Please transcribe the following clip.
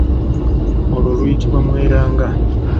Olwo luyitibwa mweranga.